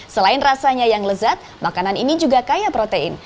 selain rasanya yang lezat makanan ini juga kaya protein